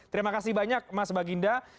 terima kasih banyak mas baginda